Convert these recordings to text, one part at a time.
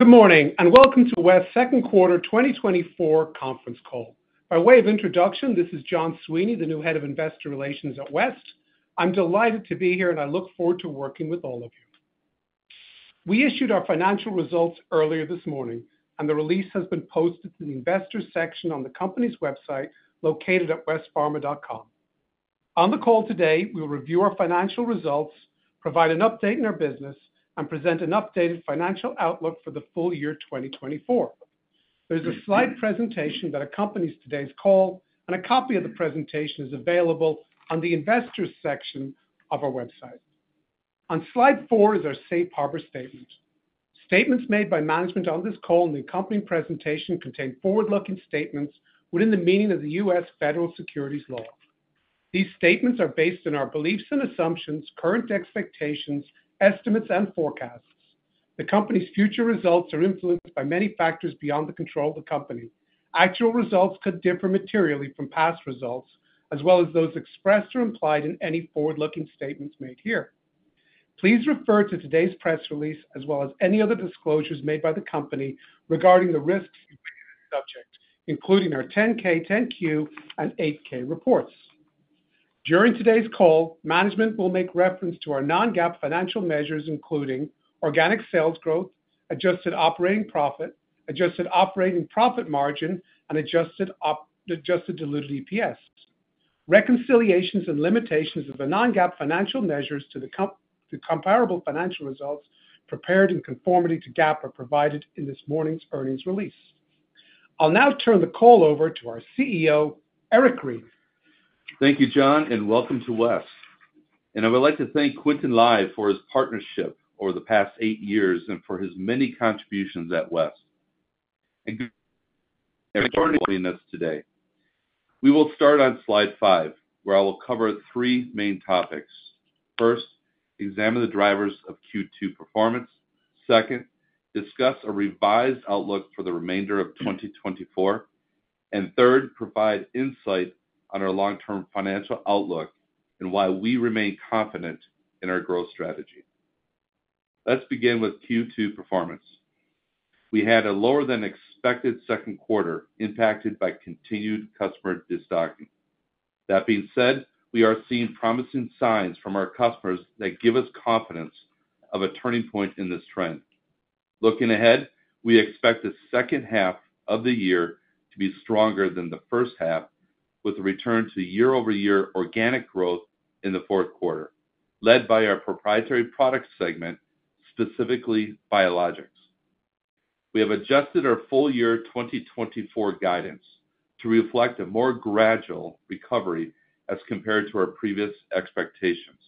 Good morning, and welcome to West's Second Quarter 2024 Conference Call. By way of introduction, this is John Sweeney, the new head of investor relations at West. I'm delighted to be here, and I look forward to working with all of you. We issued our financial results earlier this morning, and the release has been posted to the Investors section on the company's website, located at westpharma.com. On the call today, we'll review our financial results, provide an update in our business, and present an updated financial outlook for the full year 2024. There's a slide presentation that accompanies today's call, and a copy of the presentation is available on the Investors section of our website. On slide 4 is our safe harbor statement. Statements made by management on this call and the accompanying presentation contain forward-looking statements within the meaning of the U.S. Federal Securities law. These statements are based on our beliefs and assumptions, current expectations, estimates, and forecasts. The company's future results are influenced by many factors beyond the control of the company. Actual results could differ materially from past results, as well as those expressed or implied in any forward-looking statements made here. Please refer to today's press release, as well as any other disclosures made by the company regarding the risks subject, including our 10-K, 10-Q, and 8-K reports. During today's call, management will make reference to our non-GAAP financial measures, including organic sales growth, adjusted operating profit, adjusted operating profit margin, and adjusted diluted EPS. Reconciliations and limitations of the non-GAAP financial measures to the comparable financial results prepared in conformity to GAAP are provided in this morning's earnings release. I'll now turn the call over to our CEO, Eric Green. Thank you, John, and welcome to West. I would like to thank Quintin Lai for his partnership over the past eight years and for his many contributions at West. Joining us today. We will start on slide five, where I will cover three main topics. First, examine the drivers of Q2 performance. Second, discuss a revised outlook for the remainder of 2024, and third, provide insight on our long-term financial outlook and why we remain confident in our growth strategy. Let's begin with Q2 performance. We had a lower than expected second quarter, impacted by continued customer destocking. That being said, we are seeing promising signs from our customers that give us confidence of a turning point in this trend. Looking ahead, we expect the second half of the year to be stronger than the first half, with a return to year-over-year organic growth in the fourth quarter, led by our proprietary product segment, specifically biologics. We have adjusted our full-year 2024 guidance to reflect a more gradual recovery as compared to our previous expectations.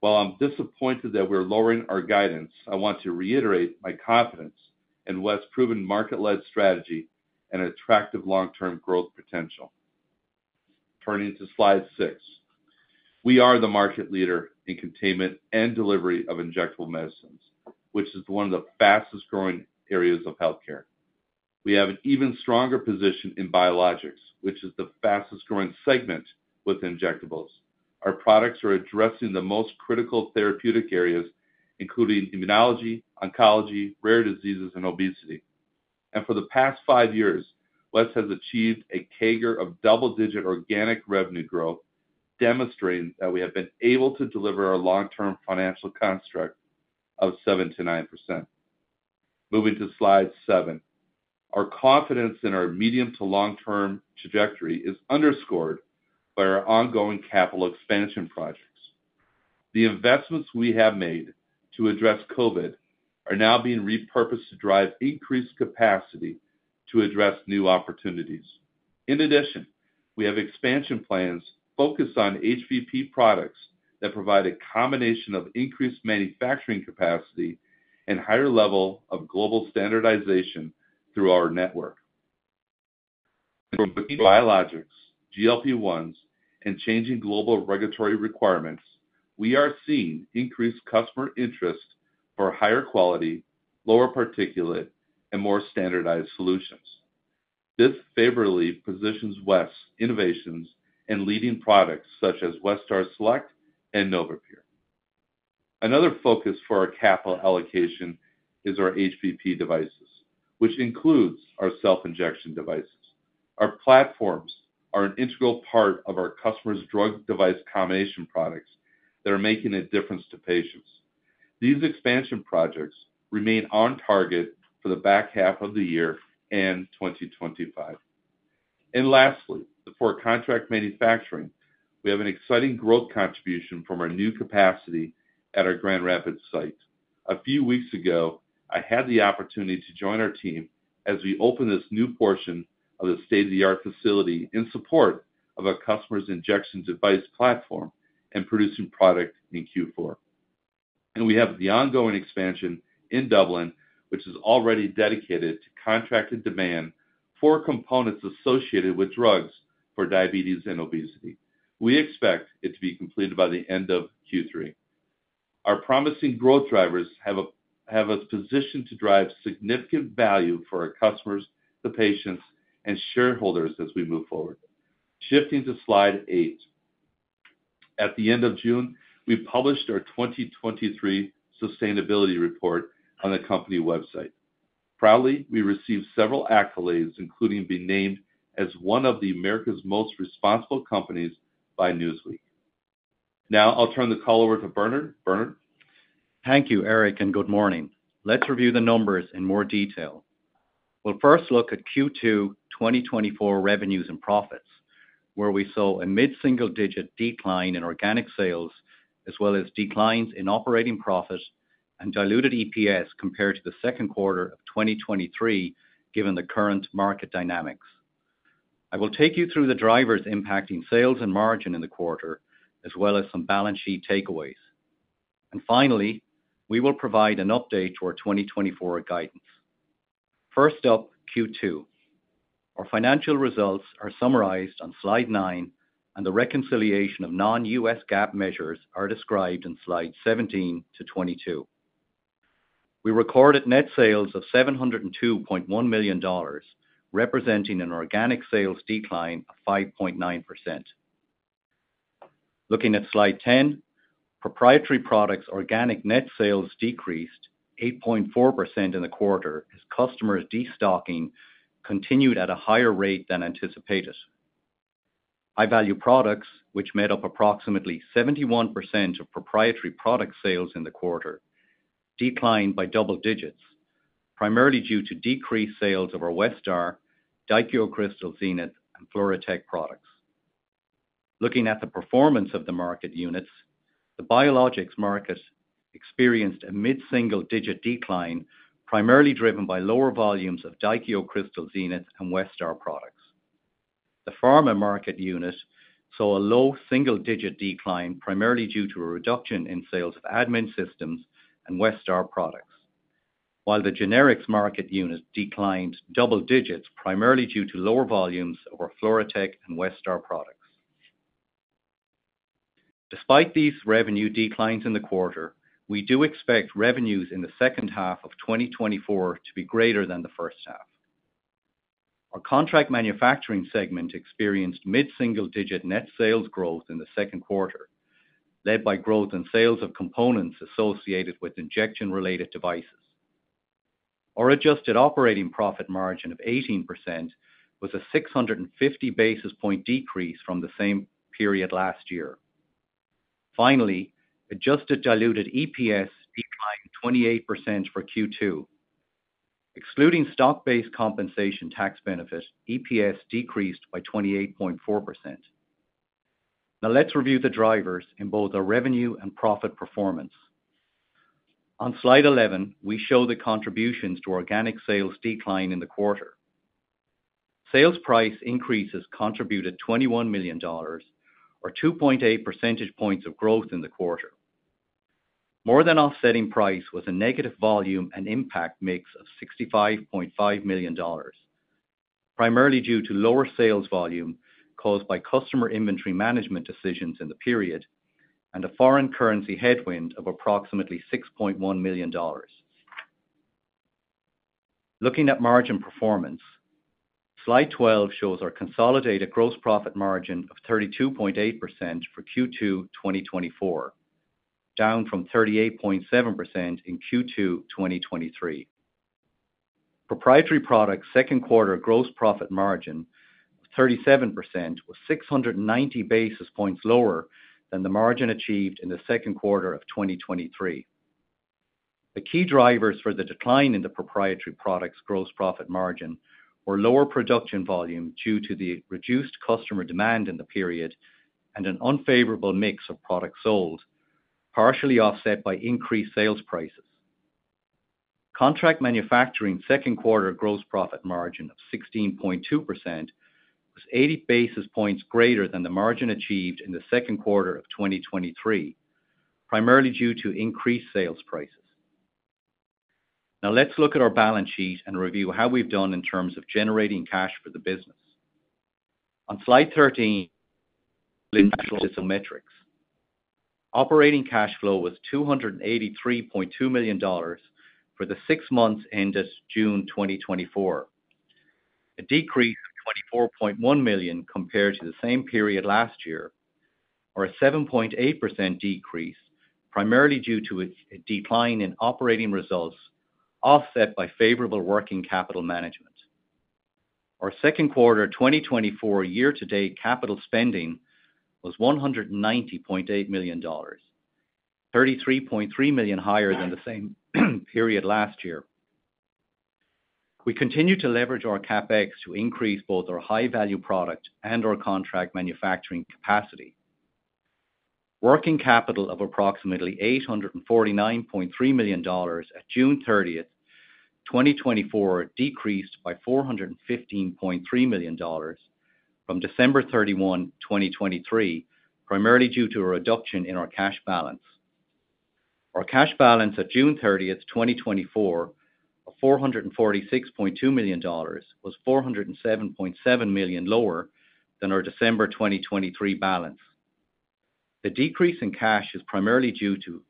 While I'm disappointed that we're lowering our guidance, I want to reiterate my confidence in West's proven market-led strategy and attractive long-term growth potential. Turning to slide six. We are the market leader in containment and delivery of injectable medicines, which is one of the fastest-growing areas of healthcare. We have an even stronger position in biologics, which is the fastest-growing segment with injectables. Our products are addressing the most critical therapeutic areas, including immunology, oncology, rare diseases, and obesity. For the past five years, West has achieved a CAGR of double-digit organic revenue growth, demonstrating that we have been able to deliver our long-term financial construct of 7%-9%. Moving to slide seven. Our confidence in our medium to long-term trajectory is underscored by our ongoing capital expansion projects. The investments we have made to address COVID are now being repurposed to drive increased capacity to address new opportunities. In addition, we have expansion plans focused on HVP products that provide a combination of increased manufacturing capacity and higher level of global standardization through our network. Biologics, GLP-1s, and changing global regulatory requirements, we are seeing increased customer interest for higher quality, lower particulate, and more standardized solutions. This favorably positions West's innovations and leading products such as Westar Select and NovaPure. Another focus for our capital allocation is our HVP devices, which includes our self-injection devices. Our platforms are an integral part of our customers' drug device combination products that are making a difference to patients. These expansion projects remain on target for the back half of the year and 2025. Lastly, for contract manufacturing, we have an exciting growth contribution from our new capacity at our Grand Rapids site. A few weeks ago, I had the opportunity to join our team as we opened this new portion of the state-of-the-art facility in support of our customer's injection device platform and producing product in Q4. We have the ongoing expansion in Dublin, which is already dedicated to contracted demand for components associated with drugs for diabetes and obesity. We expect it to be completed by the end of Q3. Our promising growth drivers have us positioned to drive significant value for our customers, the patients, and shareholders as we move forward. Shifting to slide eight. At the end of June, we published our 2023 sustainability report on the company website. Proudly, we received several accolades, including being named as one of America's Most Responsible Companies by Newsweek. Now, I'll turn the call over to Bernard. Bernard? Thank you, Eric, and good morning. Let's review the numbers in more detail. We'll first look at Q2 2024 revenues and profits, where we saw a mid-single-digit decline in organic sales, as well as declines in operating profit and diluted EPS compared to the second quarter of 2023, given the current market dynamics. I will take you through the drivers impacting sales and margin in the quarter, as well as some balance sheet takeaways. And finally, we will provide an update to our 2024 guidance. First up, Q2. Our financial results are summarized on slide nine, and the reconciliation of non-GAAP measures are described in slide 17 to 22. We recorded net sales of $702.1 million, representing an organic sales decline of 5.9%. Looking at slide 10, proprietary products organic net sales decreased 8.4% in the quarter as customers destocking continued at a higher rate than anticipated. High-value products, which made up approximately 71% of proprietary product sales in the quarter, declined by double digits, primarily due to decreased sales of our Westar, Daikyo Crystal Zenith, and FluroTec products. Looking at the performance of the market units, the Biologics market experienced a mid-single-digit decline, primarily driven by lower volumes of Daikyo Crystal Zenith and Westar products. The Pharma market unit saw a low single-digit decline, primarily due to a reduction in sales of admin systems and Westar products, while the Generics market unit declined double digits, primarily due to lower volumes of our FluroTec and Westar products. Despite these revenue declines in the quarter, we do expect revenues in the second half of 2024 to be greater than the first half. Our contract manufacturing segment experienced mid-single-digit net sales growth in the second quarter, led by growth in sales of components associated with injection-related devices. Our adjusted operating profit margin of 18% was a 650 basis point decrease from the same period last year. Finally, adjusted diluted EPS declined 28% for Q2. Excluding stock-based compensation tax benefit, EPS decreased by 28.4%. Now, let's review the drivers in both our revenue and profit performance. On Slide 11, we show the contributions to organic sales decline in the quarter. Sales price increases contributed $21 million, or 2.8 percentage points of growth in the quarter. More than offsetting price was a negative volume and impact mix of $65.5 million, primarily due to lower sales volume caused by customer inventory management decisions in the period, and a foreign currency headwind of approximately $6.1 million. Looking at margin performance, Slide 12 shows our consolidated gross profit margin of 32.8% for Q2 2024, down from 38.7% in Q2 2023. Proprietary products' second quarter gross profit margin of 37% was 690 basis points lower than the margin achieved in the second quarter of 2023. The key drivers for the decline in the Proprietary Products' gross profit margin were lower production volume due to the reduced customer demand in the period and an unfavorable mix of products sold, partially offset by increased sales prices. Contract Manufacturing second quarter gross profit margin of 16.2% was 80 basis points greater than the margin achieved in the second quarter of 2023, primarily due to increased sales prices. Now, let's look at our balance sheet and review how we've done in terms of generating cash for the business. On Slide 13, metrics. Operating cash flow was $283.2 million for the six months ended June 2024, a decrease of $24.1 million compared to the same period last year, or a 7.8% decrease, primarily due to a decline in operating results, offset by favorable working capital management. Our second quarter 2024 year-to-date capital spending was $190.8 million, $33.3 million higher than the same period last year. We continue to leverage our CapEx to increase both our high-value product and our contract manufacturing capacity. Working capital of approximately $849.3 million at June 30th, 2024, decreased by $415.3 million from December 31, 2023, primarily due to a reduction in our cash balance. Our cash balance at June 30th, 2024, of $446.2 million was $407.7 million lower than our December 2023 balance. The decrease in cash is primarily due to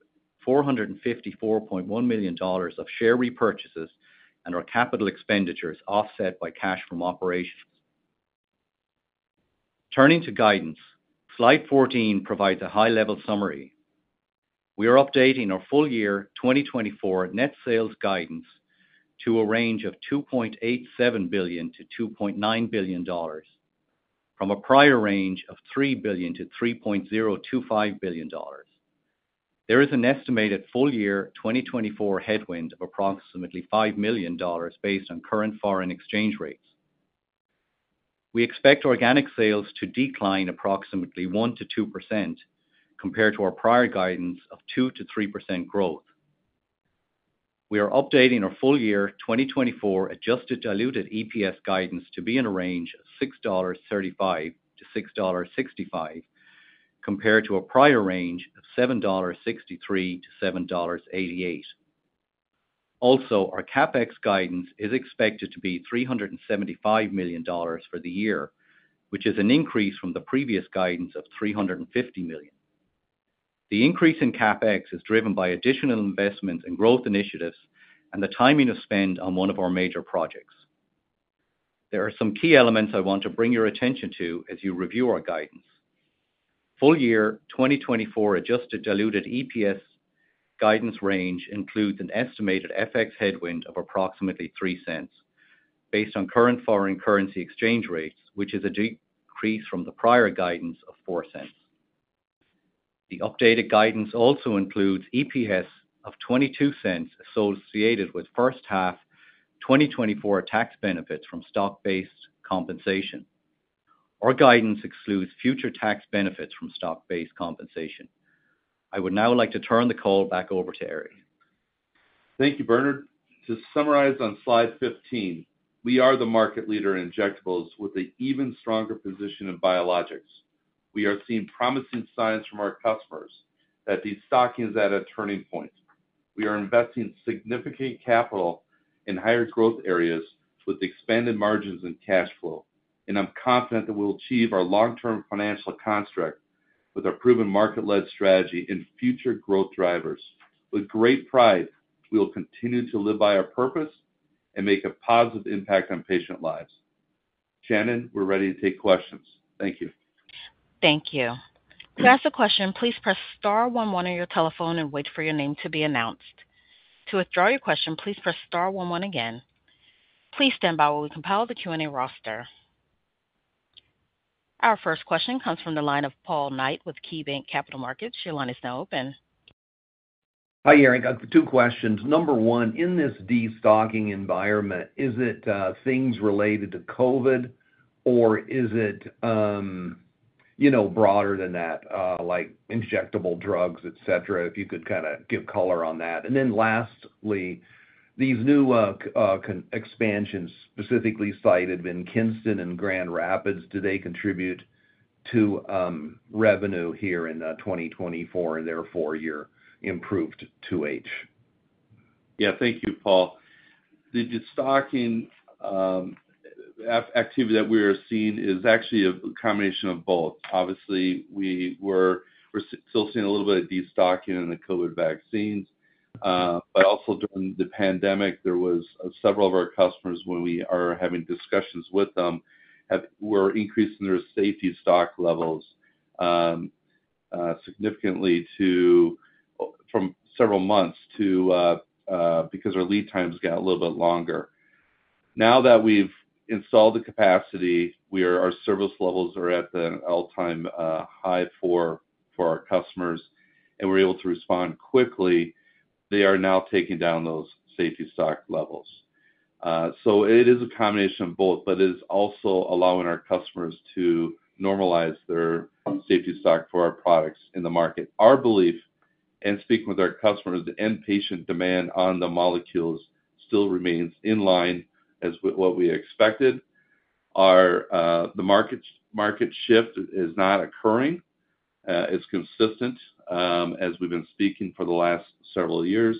$454.1 million of share repurchases and our capital expenditures offset by cash from operations. Turning to guidance, slide 14 provides a high-level summary. We are updating our full-year 2024 net sales guidance to a range of $2.87 billion-$2.9 billion, from a prior range of $3 billion-$3.025 billion. There is an estimated full-year 2024 headwind of approximately $5 million based on current foreign exchange rates. We expect organic sales to decline approximately 1%-2% compared to our prior guidance of 2%-3% growth. We are updating our full year 2024 Adjusted Diluted EPS guidance to be in a range of $6.35-$6.65, compared to a prior range of $7.63-$7.88. Also, our CapEx guidance is expected to be $375 million for the year, which is an increase from the previous guidance of $350 million. The increase in CapEx is driven by additional investments in growth initiatives and the timing of spend on one of our major projects. There are some key elements I want to bring your attention to as you review our guidance. Full year 2024 Adjusted Diluted EPS guidance range includes an estimated FX headwind of approximately $0.03, based on current foreign currency exchange rates, which is a decrease from the prior guidance of $0.04. The updated guidance also includes EPS of $0.22 associated with first half 2024 tax benefits from stock-based compensation. Our guidance excludes future tax benefits from stock-based compensation. I would now like to turn the call back over to Eric. Thank you, Bernard. To summarize on slide 15, we are the market leader in injectables with an even stronger position in biologics. We are seeing promising signs from our customers that destocking is at a turning point. We are investing significant capital in higher growth areas with expanded margins and cash flow, and I'm confident that we'll achieve our long-term financial construct with our proven market-led strategy and future growth drivers. With great pride, we will continue to live by our purpose and make a positive impact on patient lives. Shannon, we're ready to take questions. Thank you. Thank you. To ask a question, please press star one one on your telephone and wait for your name to be announced. To withdraw your question, please press star one one again. Please stand by while we compile the Q&A roster. Our first question comes from the line of Paul Knight with KeyBanc Capital Markets. Your line is now open. Hi, Eric. I've got two questions. Number one, in this destocking environment, is it things related to COVID, or is it, you know, broader than that, like injectable drugs, et cetera? If you could kind of give color on that. And then lastly, these new expansions, specifically cited in Kinston and Grand Rapids, do they contribute to revenue here in 2024, and therefore, your improved 2H? Yeah. Thank you, Paul. The destocking activity that we are seeing is actually a combination of both. Obviously, we're still seeing a little bit of destocking in the COVID vaccines, but also during the pandemic, there was several of our customers, when we are having discussions with them, were increasing their safety stock levels significantly to from several months to because our lead times got a little bit longer. Now that we've installed the capacity, our service levels are at an all-time high for our customers, and we're able to respond quickly, they are now taking down those safety stock levels. So it is a combination of both, but it is also allowing our customers to normalize their safety stock for our products in the market. Our belief, in speaking with our customers, the end patient demand on the molecules still remains in line as with what we expected. Our market shift is not occurring. It's consistent, as we've been speaking for the last several years,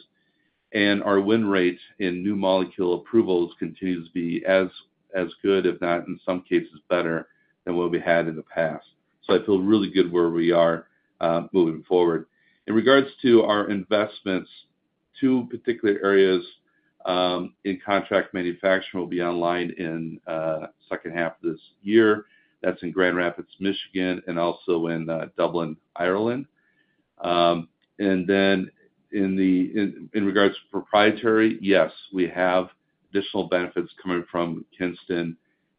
and our win rate in new molecule approvals continues to be as good, if not in some cases, better than what we had in the past. So I feel really good where we are, moving forward. In regards to our investments, two particular areas in contract manufacturing will be online in second half of this year. That's in Grand Rapids, Michigan, and also in Dublin, Ireland. And then in regards to proprietary, yes, we have additional benefits coming from Kinston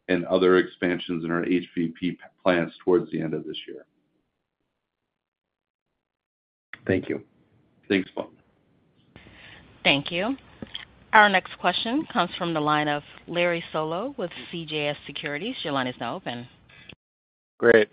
and other expansions in our HVP plans towards the end of this year. Thank you. Thanks, Paul. Thank you. Our next question comes from the line of Larry Solow with CJS Securities. Your line is now open. Great.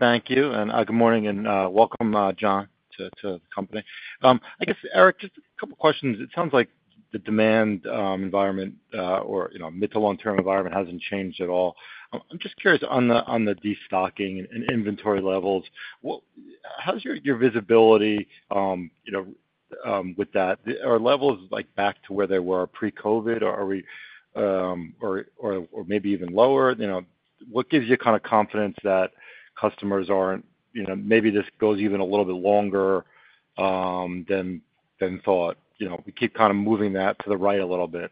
Thank you, and good morning, and welcome, John, to the company. I guess, Eric, just a couple questions. It sounds like the demand environment, or, you know, mid to long-term environment hasn't changed at all. I'm just curious on the destocking and inventory levels, what, how's your visibility, you know, with that? Are levels like back to where they were pre-COVID, or are we, or maybe even lower? You know, what gives you kind of confidence that customers aren't, you know, maybe this goes even a little bit longer than thought? You know, we keep kind of moving that to the right a little bit.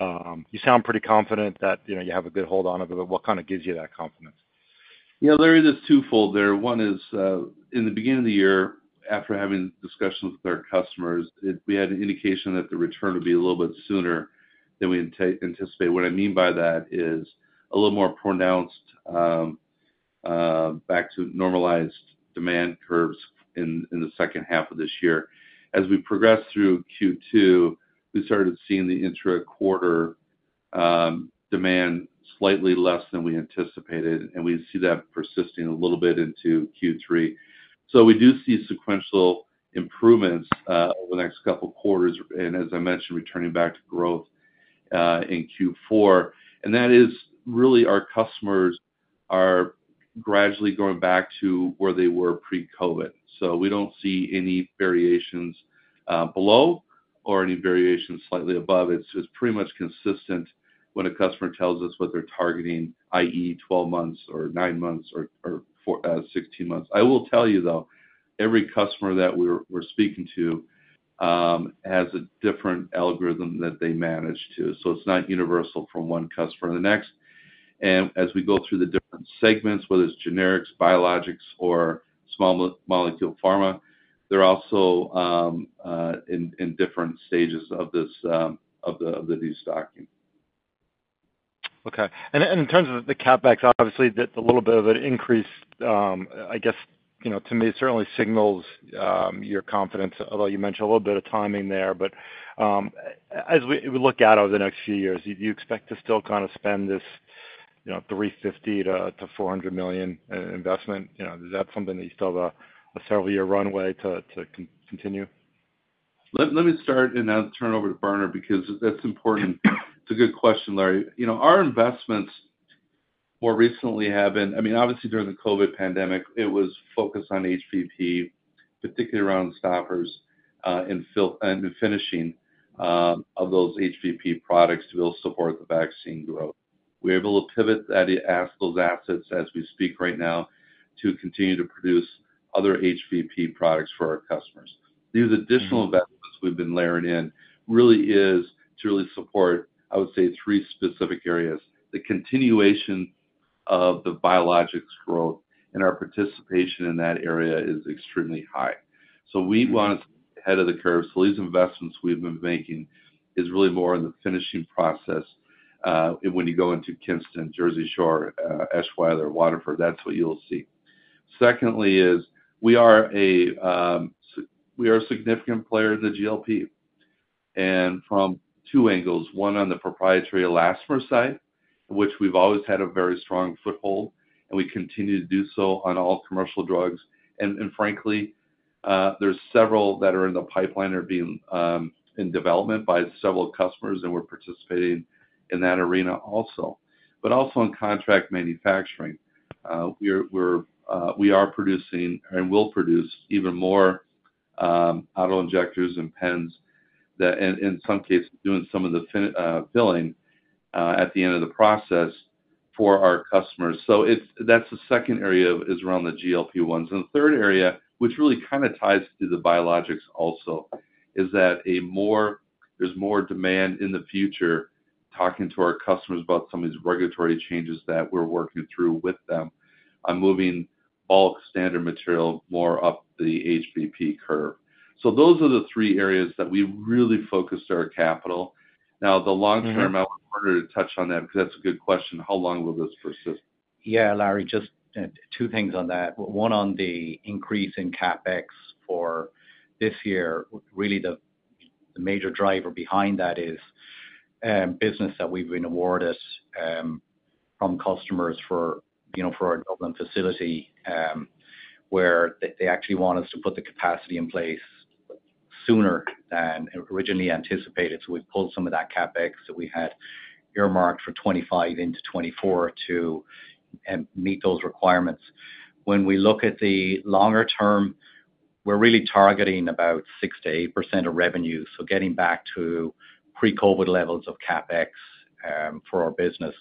You sound pretty confident that, you know, you have a good hold on it, but what kind of gives you that confidence? Yeah, Larry, that's twofold there. One is, in the beginning of the year, after having discussions with our customers, we had an indication that the return would be a little bit sooner than we anticipate. What I mean by that is a little more pronounced back to normalized demand curves in the second half of this year. As we progressed through Q2, we started seeing the intra-quarter demand slightly less than we anticipated, and we see that persisting a little bit into Q3. So we do see sequential improvements over the next couple quarters, and as I mentioned, returning back to growth in Q4. And that is really our customers are gradually going back to where they were pre-COVID. So we don't see any variations below or any variations slightly above. It's pretty much consistent when a customer tells us what they're targeting, i.e., 12 months or 9 months or 4 or 16 months. I will tell you, though, every customer that we're speaking to has a different algorithm that they manage to, so it's not universal from one customer to the next. And as we go through the different segments, whether it's Generics, Biologics, or small molecule Pharma, they're also in different stages of this of the destocking. Okay. In terms of the CapEx, obviously, that's a little bit of an increase. I guess, you know, to me, it certainly signals your confidence, although you mentioned a little bit of timing there. But as we look out over the next few years, do you expect to still kind of spend this, you know, $350 million-$400 million in investment? You know, is that something that you still have a several-year runway to continue? Let me start and I'll turn over to Bernard, because that's important. It's a good question, Larry. You know, our investments more recently have been, I mean, obviously during the COVID pandemic, it was focused on HVP, particularly around stoppers, and the finishing, of those HVP products to be able to support the vaccine growth. We're able to pivot that, those assets as we speak right now, to continue to produce other HVP products for our customers. These additional investments we've been layering in really is to really support, I would say, three specific areas. The continuation of the biologics growth, and our participation in that area is extremely high. So we want to be ahead of the curve. So these investments we've been making is really more in the finishing process, when you go into Kinston, Jersey Shore, Eschweiler, Waterford, that's what you'll see. Secondly is, we are a significant player in the GLP, and from two angles, one on the proprietary elastomer side, which we've always had a very strong foothold, and we continue to do so on all commercial drugs. And frankly, there's several that are in the pipeline are being in development by several customers, and we're participating in that arena also. But also in contract manufacturing, we are producing and will produce even more auto-injectors and pens that in some cases, doing some of the filling at the end of the process for our customers. So that's the second area is around the GLP-1s. And the third area, which really kind of ties to the biologics also, is that there's more demand in the future, talking to our customers about some of these regulatory changes that we're working through with them on moving all standard material more up the HVP curve. So those are the three areas that we've really focused our capital. Now, the long-term output- Mm-hmm. I wanted to touch on that because that's a good question. How long will this persist? Yeah, Larry, just two things on that. One, on the increase in CapEx for this year, really the major driver behind that is business that we've been awarded from customers for, you know, for our Dublin facility, where they actually want us to put the capacity in place sooner than originally anticipated. So we pulled some of that CapEx that we had earmarked for 2025 into 2024 to meet those requirements. When we look at the longer term, we're really targeting about 6%-8% of revenue, so getting back to pre-COVID levels of CapEx for our business.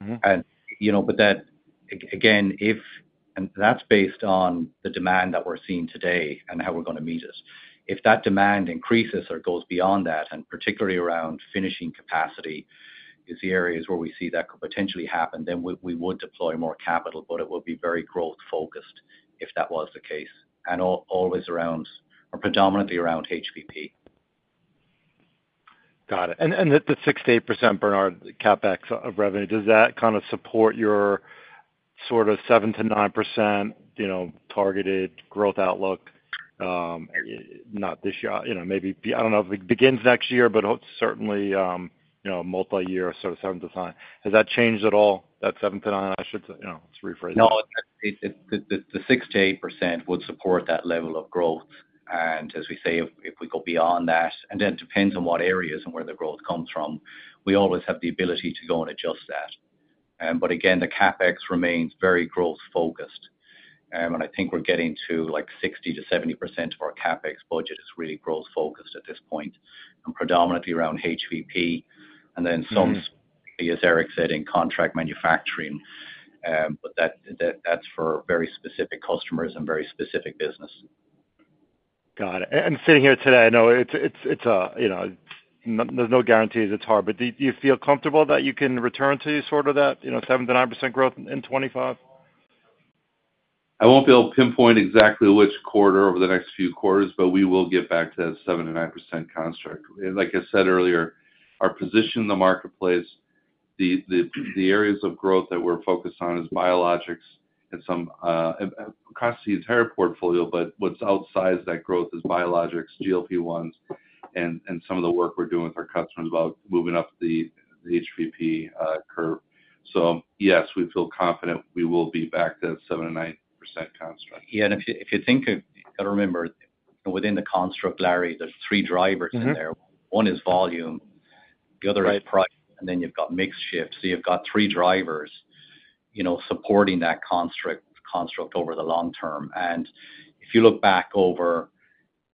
Mm-hmm. You know, but that, again, if... And that's based on the demand that we're seeing today and how we're going to meet it. If that demand increases or goes beyond that, and particularly around finishing capacity is the areas where we see that could potentially happen, then we would deploy more capital, but it would be very growth focused if that was the case, and always around or predominantly around HVP. Got it. And the 6%-8%, Bernard, the CapEx of revenue, does that kind of support your sort of 7%-9%, you know, targeted growth outlook? Not this year, you know, maybe I don't know if it begins next year, but certainly, you know, multi-year, so 7%-9%. Has that changed at all, that 7%-9%? I should say, you know, let's rephrase it. No, the 6%-8% would support that level of growth. And as we say, if we go beyond that, and then it depends on what areas and where the growth comes from, we always have the ability to go and adjust that. But again, the CapEx remains very growth focused. And I think we're getting to, like, 60%-70% of our CapEx budget is really growth-focused at this point, and predominantly around HVP, and then some, as Eric said, in contract manufacturing. But that's for very specific customers and very specific business. Got it. And sitting here today, I know it's, you know, there's no guarantees, it's hard, but do you feel comfortable that you can return to sort of that, you know, 7%-9% growth in 2025? I won't be able to pinpoint exactly which quarter over the next few quarters, but we will get back to that 7%-9% construct. Like I said earlier, our position in the marketplace, the areas of growth that we're focused on is biologics and some across the entire portfolio, but what's outsized that growth is biologics, GLP-1s, and some of the work we're doing with our customers about moving up the HVP curve. So yes, we feel confident we will be back to that 7%-9% construct. Yeah, and if you, if you think of, you gotta remember, within the construct, Larry, there's three drivers in there. Mm-hmm. One is volume, the other is price, and then you've got mix shift. So you've got three drivers, you know, supporting that construct over the long term. And if you look back over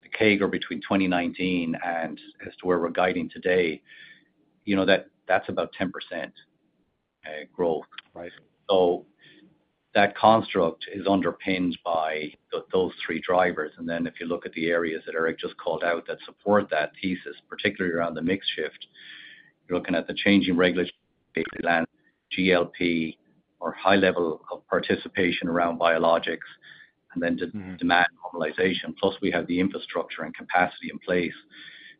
the CAGR between 2019 and as to where we're guiding today, you know that that's about 10% growth. Right. So that construct is underpinned by those three drivers. And then if you look at the areas that Eric just called out that support that thesis, particularly around the mix shift, you're looking at the changing regulatory landscape, GLP, or high level of participation around biologics, and then d- Mm-hmm. demand normalization. Plus, we have the infrastructure and capacity in place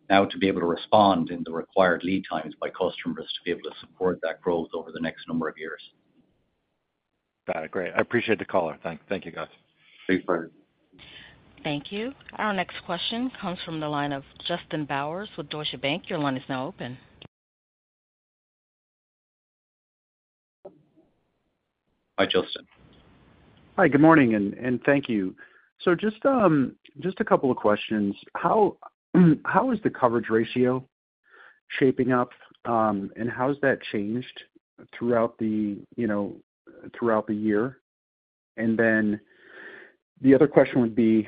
now to be able to respond in the required lead times by customers to be able to support that growth over the next number of years. Got it. Great. I appreciate the call. Thank you, guys. Thanks, Larry. Thank you. Our next question comes from the line of Justin Bowers with Deutsche Bank. Your line is now open. Hi, Justin. Hi, good morning, and thank you. So just a couple of questions. How is the coverage ratio shaping up, and how has that changed throughout the, you know, year? And then the other question would be,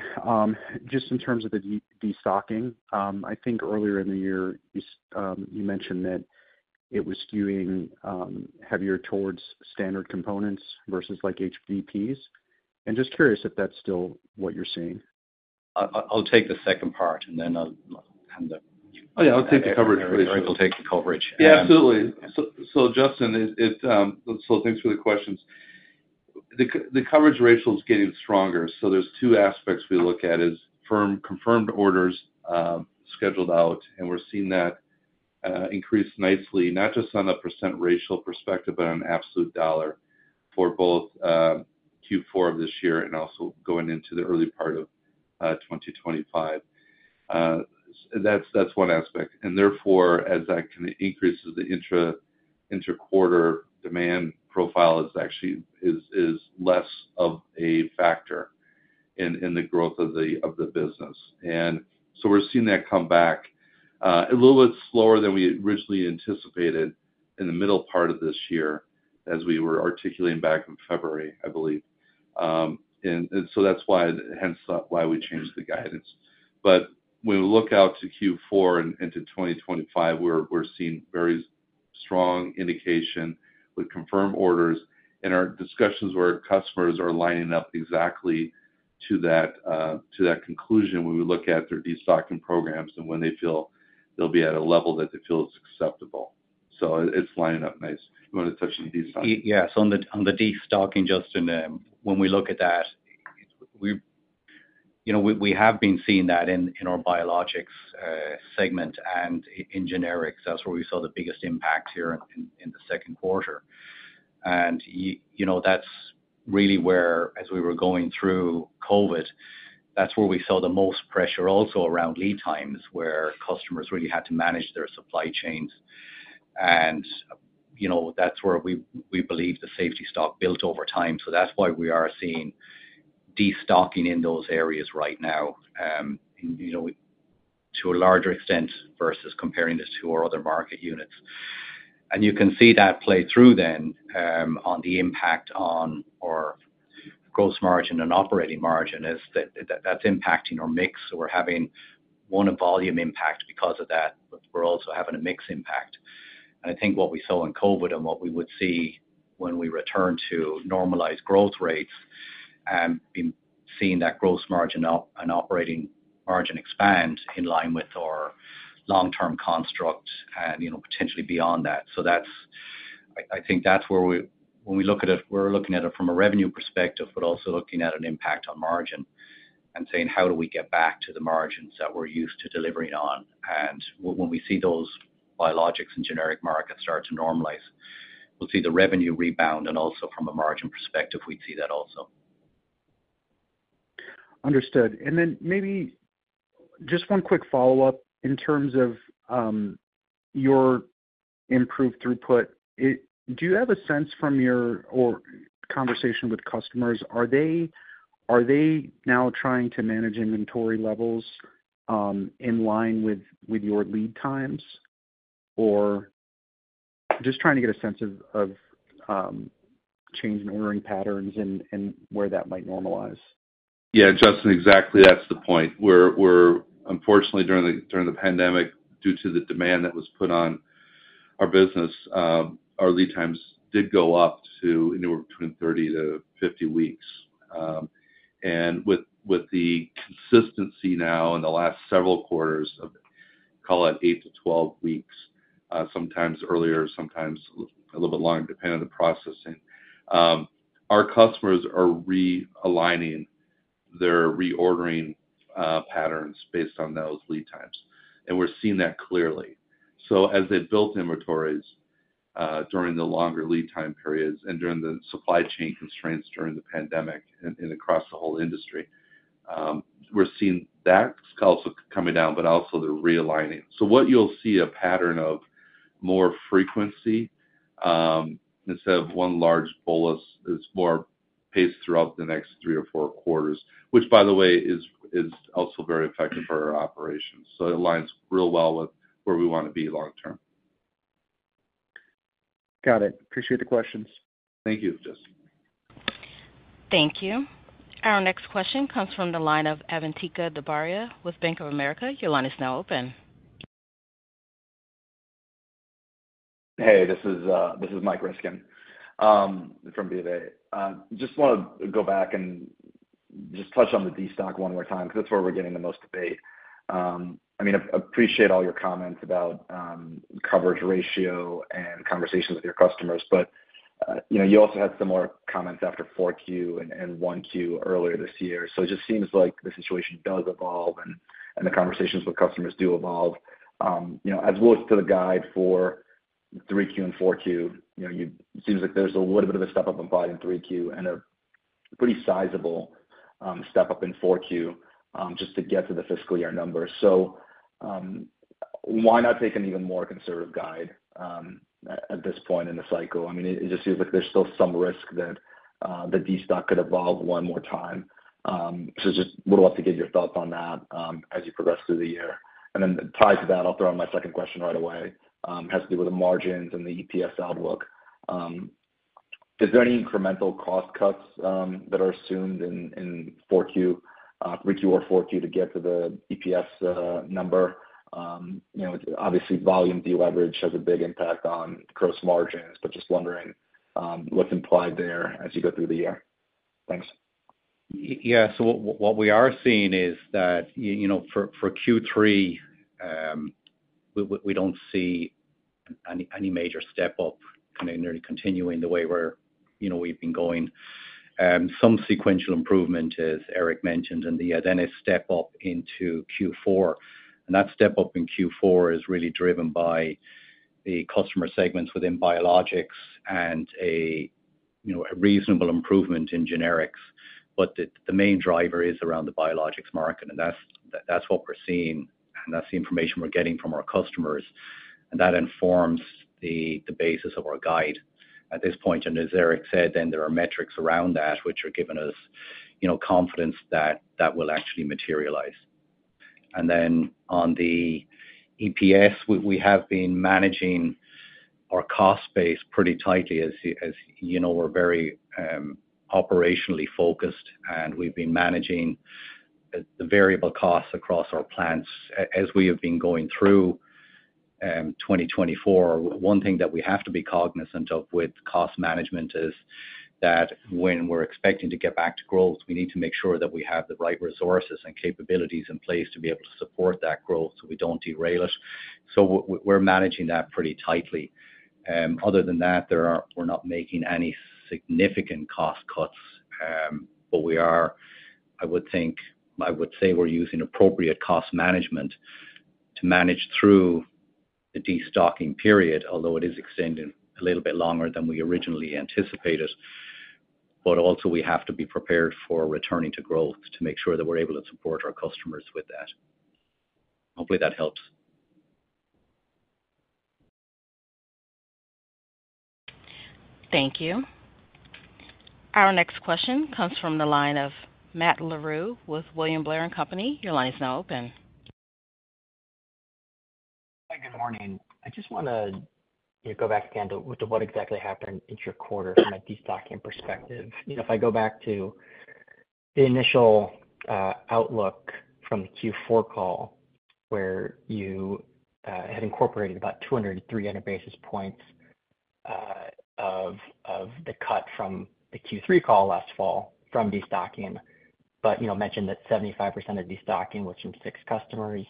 just in terms of the destocking. I think earlier in the year, you mentioned that it was skewing heavier towards standard components versus like HVPs. And just curious if that's still what you're seeing. I'll take the second part, and then I'll kind of- Oh, yeah, I'll take the coverage ratio. Eric will take the coverage. Yeah, absolutely. So Justin, thanks for the questions. The coverage ratio is getting stronger. So there's two aspects we look at is firm confirmed orders, scheduled out, and we're seeing that increase nicely, not just on a percent ratio perspective, but on an absolute dollar for both Q4 of this year and also going into the early part of 2025. That's one aspect. And therefore, as that kind of increases, the interquarter demand profile is actually less of a factor in the growth of the business. And so we're seeing that come back a little bit slower than we had originally anticipated in the middle part of this year, as we were articulating back in February, I believe. And so that's why, hence why we changed the guidance. But when we look out to Q4 and to 2025, we're seeing very strong indication with confirmed orders. In our discussions with our customers are lining up exactly to that to that conclusion when we look at their destocking programs and when they feel they'll be at a level that they feel is acceptable. So it's lining up nice. You want to touch on destocking? Yes, on the destocking, Justin, when we look at that, you know, we have been seeing that in our biologics segment and in generics. That's where we saw the biggest impact here in the second quarter. And you know, that's really where, as we were going through COVID, that's where we saw the most pressure also around lead times, where customers really had to manage their supply chains. And you know, that's where we believe the safety stock built over time. So that's why we are seeing destocking in those areas right now, you know, to a larger extent versus comparing this to our other market units. And you can see that play through then on the impact on our gross margin and operating margin; that's impacting our mix. So we're having one, a volume impact because of that, but we're also having a mix impact. And I think what we saw in COVID and what we would see when we return to normalized growth rates in seeing that gross margin up and operating margin expand in line with our long-term construct and, you know, potentially beyond that. So that's. I think that's where we, when we look at it, we're looking at it from a revenue perspective, but also looking at an impact on margin and saying: How do we get back to the margins that we're used to delivering on? And when we see those biologics and generic markets start to normalize, we'll see the revenue rebound, and also from a margin perspective, we'd see that also. Understood. And then maybe just one quick follow-up in terms of your improved throughput. Do you have a sense from your or conversation with customers, are they, are they now trying to manage inventory levels in line with, with your lead times? Or-... Just trying to get a sense of change in ordering patterns and where that might normalize. Yeah, Justin, exactly, that's the point. We're unfortunately, during the pandemic, due to the demand that was put on our business, our lead times did go up to anywhere between 30-50 weeks. And with the consistency now in the last several quarters of, call it, 8-12 weeks, sometimes earlier, sometimes a little bit longer, depending on the processing. Our customers are realigning their reordering patterns based on those lead times, and we're seeing that clearly. So as they've built inventories during the longer lead time periods and during the supply chain constraints during the pandemic and across the whole industry, we're seeing that also coming down, but also they're realigning. So what you'll see a pattern of more frequency, instead of one large bolus, it's more paced throughout the next 3 or 4 quarters, which, by the way, is also very effective for our operations. So it aligns real well with where we wanna be long term. Got it. Appreciate the questions. Thank you, Justin. Thank you. Our next question comes from the line of Avantika Durbaria with Bank of America. Your line is now open. Hey, this is Michael Ryskin from BOFA. I just wanna go back and just touch on the destock one more time, because that's where we're getting the most debate. I mean, appreciate all your comments about coverage ratio and conversations with your customers, but you know, you also had some more comments after four Q and one Q earlier this year. So it just seems like the situation does evolve and the conversations with customers do evolve. You know, as we look to the guide for three Q and four Q, you know, it seems like there's a little bit of a step up in volume three Q and a pretty sizable step up in four Q, just to get to the fiscal year number. So, why not take an even more conservative guide, at this point in the cycle? I mean, it just seems like there's still some risk that the destock could evolve one more time. So just would love to get your thoughts on that, as you progress through the year. And then tied to that, I'll throw in my second question right away. Has to do with the margins and the EPS outlook. Is there any incremental cost cuts that are assumed in 4Q, 3Q or 4Q to get to the EPS number? You know, obviously, volume deleverage has a big impact on gross margins, but just wondering, what's implied there as you go through the year. Thanks. Yeah. So what we are seeing is that, you know, for Q3, we don't see any major step up, I mean, really continuing the way we're, you know, we've been going. Some sequential improvement, as Eric mentioned, and then a step up into Q4. And that step up in Q4 is really driven by the customer segments within biologics and, you know, a reasonable improvement in generics. But the main driver is around the biologics market, and that's what we're seeing, and that's the information we're getting from our customers. And that informs the basis of our guide at this point. And as Eric said, then there are metrics around that which are giving us, you know, confidence that that will actually materialize. And then on the EPS, we have been managing our cost base pretty tightly. As you know, we're very operationally focused, and we've been managing the variable costs across our plants. As we have been going through 2024, one thing that we have to be cognizant of with cost management is that when we're expecting to get back to growth, we need to make sure that we have the right resources and capabilities in place to be able to support that growth, so we don't derail it. So we're managing that pretty tightly. Other than that, we're not making any significant cost cuts, but we are, I would think... I would say we're using appropriate cost management to manage through the destocking period, although it is extending a little bit longer than we originally anticipated. But also, we have to be prepared for returning to growth to make sure that we're able to support our customers with that. Hopefully, that helps. Thank you. Our next question comes from the line of Matt Larew with William Blair & Company. Your line is now open. Hi, good morning. I just wanna, you know, go back again to what exactly happened in your quarter from a destocking perspective. You know, if I go back to the initial outlook from the Q4 call, where you had incorporated about 200-300 basis points of the cut from the Q3 call last fall from destocking, but, you know, mentioned that 75% of destocking was from 6 customers.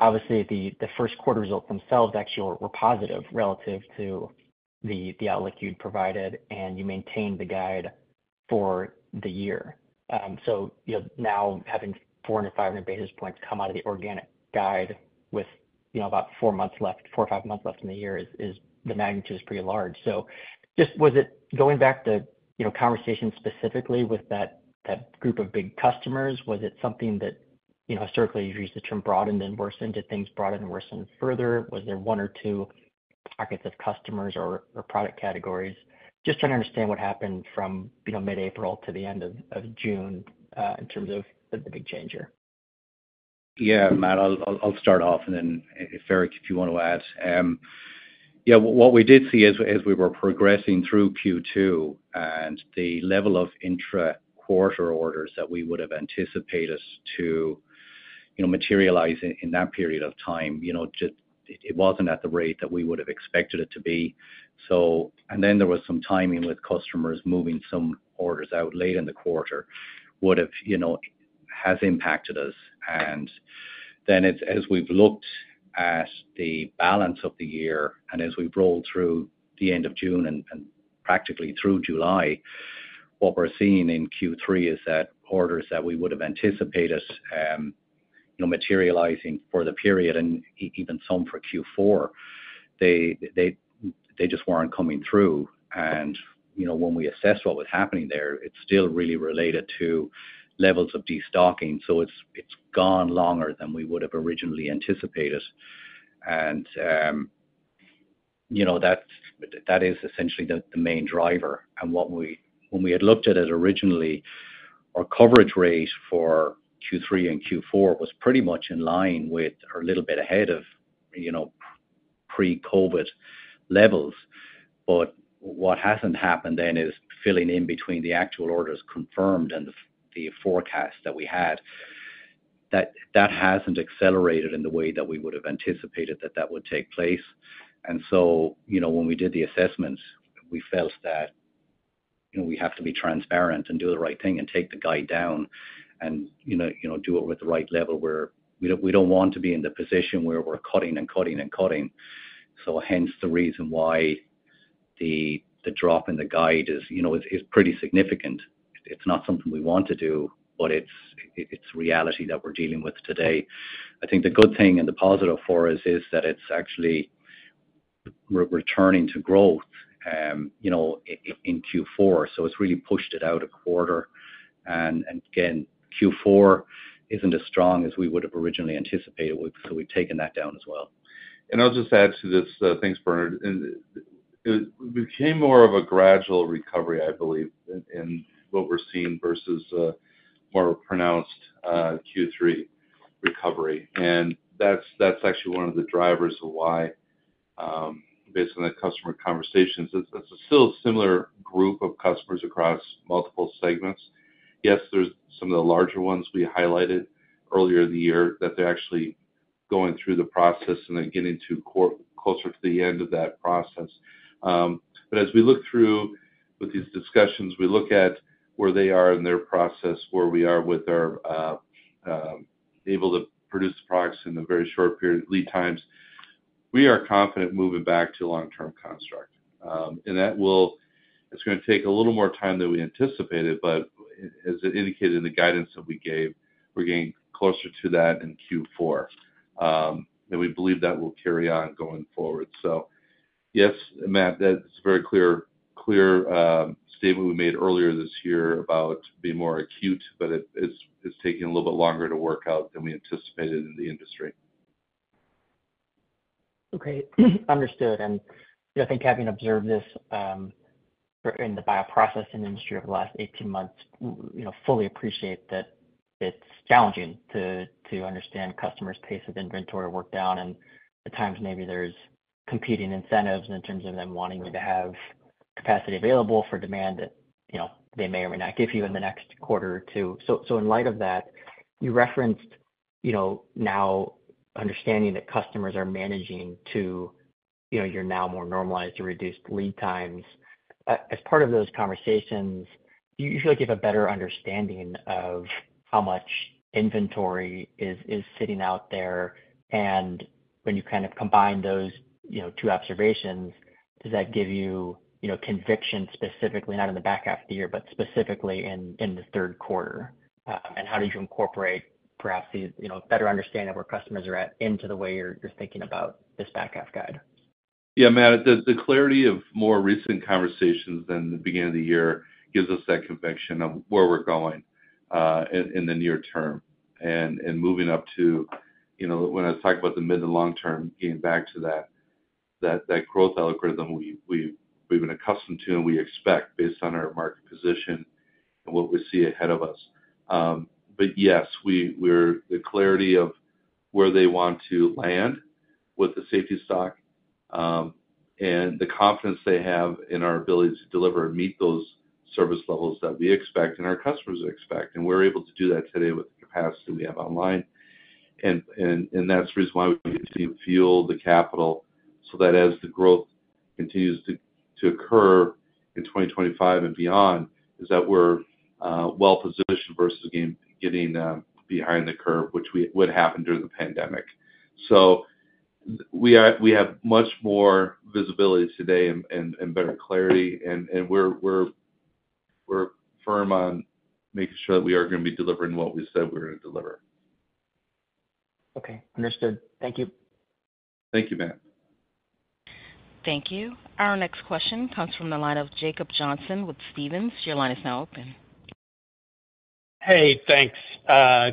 Obviously, the first quarter results themselves actually were positive relative to the outlook you'd provided, and you maintained the guide for the year. So, you know, now having 400-500 basis points come out of the organic guide with, you know, about 4 months left, 4 or 5 months left in the year, is the magnitude pretty large. So just was it going back to, you know, conversations specifically with that, that group of big customers? Was it something that, you know, historically, you've used the term broadened and worsened, did things broadened and worsened further? Was there one or two pockets of customers or, or product categories? Just trying to understand what happened from, you know, mid-April to the end of, of June, in terms of the, the big change here.... Yeah, Matt, I'll start off, and then, Eric, if you want to add. Yeah, what we did see as we were progressing through Q2 and the level of intra-quarter orders that we would have anticipated us to, you know, materialize in that period of time, you know, just it wasn't at the rate that we would have expected it to be. So—and then there was some timing with customers moving some orders out late in the quarter, would have, you know, has impacted us. Then as we've looked at the balance of the year, and as we've rolled through the end of June and practically through July, what we're seeing in Q3 is that orders that we would have anticipated, you know, materializing for the period and even some for Q4, they just weren't coming through. You know, when we assessed what was happening there, it's still really related to levels of destocking, so it's gone longer than we would have originally anticipated. You know, that is essentially the main driver. And when we had looked at it originally, our coverage rate for Q3 and Q4 was pretty much in line with, or a little bit ahead of, you know, pre-COVID levels. But what hasn't happened then is filling in between the actual orders confirmed and the forecast that we had, that hasn't accelerated in the way that we would have anticipated that that would take place. And so, you know, when we did the assessments, we felt that, you know, we have to be transparent and do the right thing and take the guide down and, you know, do it with the right level, where we don't, we don't want to be in the position where we're cutting and cutting and cutting. So hence the reason why the drop in the guide is, you know, pretty significant. It's not something we want to do, but it's reality that we're dealing with today. I think the good thing and the positive for us is that it's actually returning to growth, you know, in Q4, so it's really pushed it out a quarter. And again, Q4 isn't as strong as we would have originally anticipated, so we've taken that down as well. And I'll just add to this. Thanks, Bernard. And it became more of a gradual recovery, I believe, in what we're seeing versus a more pronounced Q3 recovery. And that's actually one of the drivers of why, based on the customer conversations, it's still a similar group of customers across multiple segments. Yes, there's some of the larger ones we highlighted earlier in the year, that they're actually going through the process and then getting to closer to the end of that process. But as we look through with these discussions, we look at where they are in their process, where we are with our able to produce products in a very short period of lead times. We are confident moving back to long-term construct. And that will... It's gonna take a little more time than we anticipated, but as indicated in the guidance that we gave, we're getting closer to that in Q4. And we believe that will carry on going forward. So yes, Matt, that's a very clear statement we made earlier this year about being more acute, but it is, it's taking a little bit longer to work out than we anticipated in the industry. Okay, understood. And I think having observed this in the bioprocessing industry over the last 18 months, you know, fully appreciate that it's challenging to understand customers' pace of inventory work down, and at times, maybe there's competing incentives in terms of them wanting to have capacity available for demand that, you know, they may or may not give you in the next quarter or two. So in light of that, you referenced, you know, now understanding that customers are managing to, you know, you're now more normalized to reduced lead times. As part of those conversations, do you feel like you have a better understanding of how much inventory is sitting out there? When you kind of combine those, you know, two observations, does that give you, you know, conviction, specifically, not in the back half of the year, but specifically in, in the third quarter? And how did you incorporate perhaps these, you know, better understanding of where customers are at into the way you're, you're thinking about this back half guide? Yeah, Matt, the clarity of more recent conversations than the beginning of the year gives us that conviction of where we're going in the near term. And moving up to, you know, when I talk about the mid to long term, getting back to that growth algorithm we've been accustomed to and we expect based on our market position and what we see ahead of us. But yes, we're the clarity of where they want to land with the safety stock, and the confidence they have in our ability to deliver and meet those service levels that we expect and our customers expect. And we're able to do that today with the capacity we have online. And that's the reason why we need to fuel the capital, so that as the growth continues to occur in 2025 and beyond, is that we're well positioned versus again getting behind the curve, which what happened during the pandemic. So we have much more visibility today and better clarity, and we're firm on making sure that we are gonna be delivering what we said we were gonna deliver. Okay, understood. Thank you. Thank you, Matt. Thank you. Our next question comes from the line of Jacob Johnson with Stephens. Your line is now open. Hey, thanks.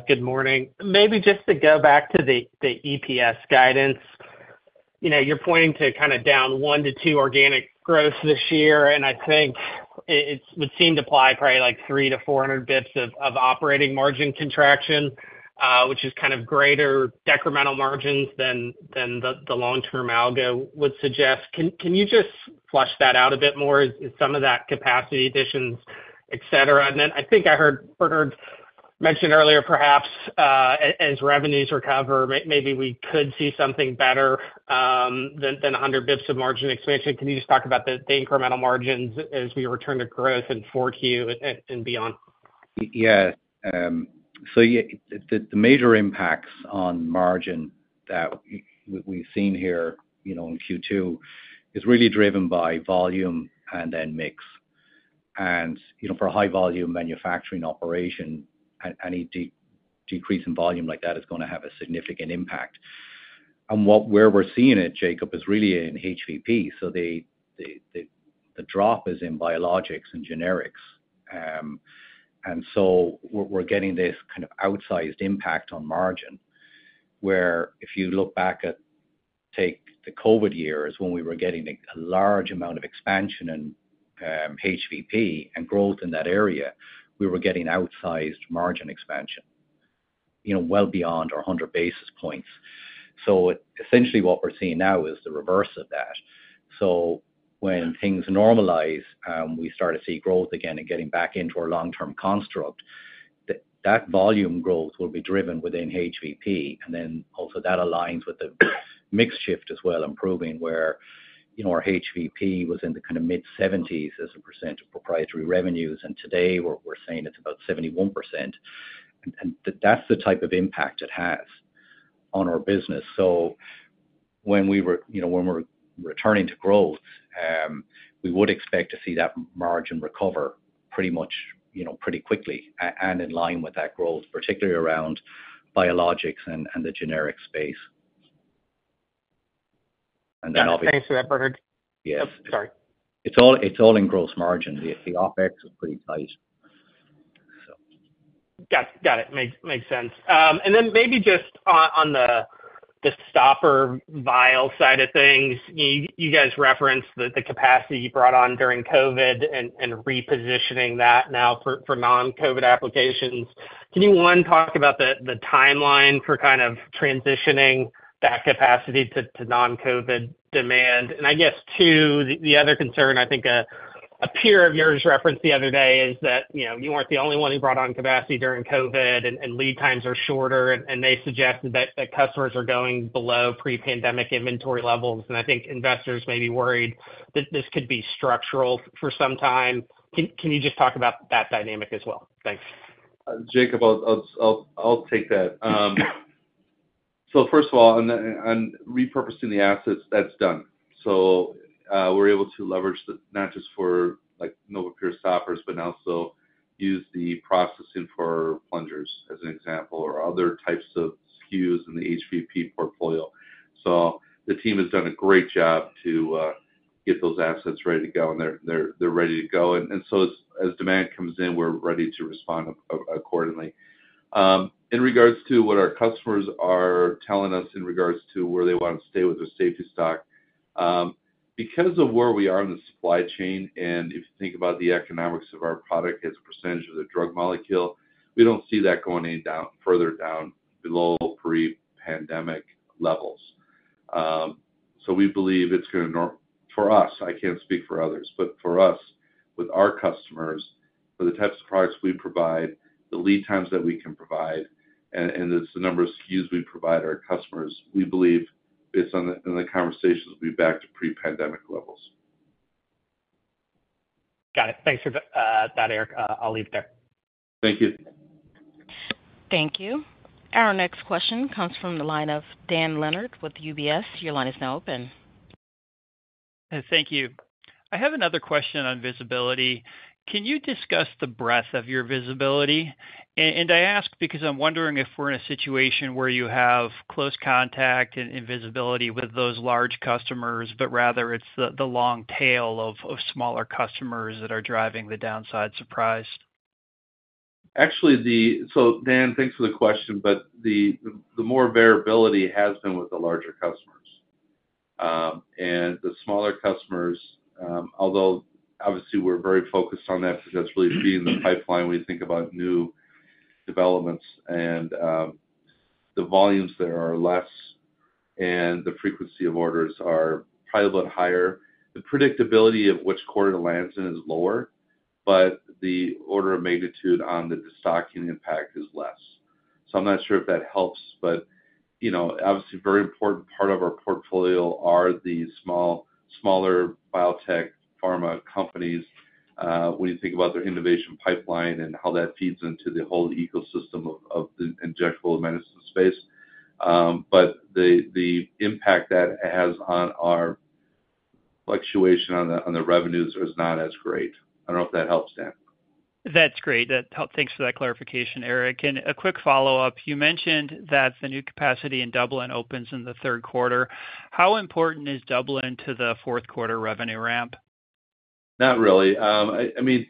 Good morning. Maybe just to go back to the EPS guidance. You know, you're pointing to kind of down 1-2 organic growth this year, and I think it would seem to apply probably like 300-400 BPS of operating margin contraction, which is kind of greater decremental margins than the long-term algo would suggest. Can you just flesh that out a bit more? Is some of that capacity additions, et cetera? And then I think I heard Bernard mention earlier, perhaps, as revenues recover, maybe we could see something better than 100 BPS of margin expansion. Can you just talk about the incremental margins as we return to growth in 4Q and beyond? Yeah. So the major impacts on margin that we've seen here, you know, in Q2 is really driven by volume and then mix. And, you know, for a high volume manufacturing operation, any decrease in volume like that is gonna have a significant impact. And where we're seeing it, Jacob, is really in HVP, so the drop is in biologics and generics. And so we're getting this kind of outsized impact on margin, where if you look back at, take the COVID years when we were getting a large amount of expansion in HVP and growth in that area, we were getting outsized margin expansion, you know, well beyond our 100 basis points. So essentially what we're seeing now is the reverse of that. So when things normalize, we start to see growth again and getting back into our long-term construct, that volume growth will be driven within HVP, and then also that aligns with the mix shift as well, improving where, you know, our HVP was in the kind of mid-70s% of proprietary revenues, and today we're saying it's about 71%. And that's the type of impact it has on our business. So you know, when we're returning to growth, we would expect to see that margin recover pretty much, you know, pretty quickly and in line with that growth, particularly around biologics and the generic space. And then obviously- Thanks for that, Bernard. Yes. Sorry. It's all in gross margin. The OpEx is pretty tight, so. Got it. Makes sense. And then maybe just on the stopper vial side of things, you guys referenced the capacity you brought on during COVID and repositioning that now for non-COVID applications. Can you, one, talk about the timeline for kind of transitioning that capacity to non-COVID demand? And I guess, two, the other concern, I think a peer of yours referenced the other day is that, you know, you weren't the only one who brought on capacity during COVID and lead times are shorter, and they suggested that customers are going below pre-pandemic inventory levels. And I think investors may be worried that this could be structural for some time. Can you just talk about that dynamic as well? Thanks. Jacob, I'll take that. So first of all, on repurposing the assets, that's done. So we're able to leverage the, not just for, like, NovaPure stoppers, but now also use the processing for plungers, as an example, or other types of SKUs in the HVP portfolio. So the team has done a great job to get those assets ready to go, and they're ready to go. And so as demand comes in, we're ready to respond accordingly. In regards to what our customers are telling us in regards to where they want to stay with their safety stock, because of where we are in the supply chain, and if you think about the economics of our product as a percentage of the drug molecule, we don't see that going any down, further down below pre-pandemic levels. So we believe it's gonna for us, I can't speak for others, but for us, with our customers, for the types of products we provide, the lead times that we can provide, and it's the number of SKUs we provide our customers, we believe, based on the conversations, we'll be back to pre-pandemic levels. Got it. Thanks for that, Eric. I'll leave it there. Thank you. Thank you. Our next question comes from the line of Dan Leonard with UBS. Your line is now open. Thank you. I have another question on visibility. Can you discuss the breadth of your visibility? And I ask because I'm wondering if we're in a situation where you have close contact and visibility with those large customers, but rather it's the long tail of smaller customers that are driving the downside surprise. Actually, so Dan, thanks for the question, but the more variability has been with the larger customers. And the smaller customers, although obviously we're very focused on that, because that's really feeding the pipeline when you think about new developments and, the volumes there are less, and the frequency of orders are probably a bit higher. The predictability of which quarter it lands in is lower, but the order of magnitude on the stocking impact is less. So I'm not sure if that helps, but, you know, obviously, a very important part of our portfolio are the smaller biotech pharma companies, when you think about their innovation pipeline and how that feeds into the whole ecosystem of, the injectable medicines space. But the impact that it has on our fluctuation on the revenues is not as great. I don't know if that helps, Dan. That's great. That helped. Thanks for that clarification, Eric. And a quick follow-up. You mentioned that the new capacity in Dublin opens in the third quarter. How important is Dublin to the fourth quarter revenue ramp? ... Not really. I mean,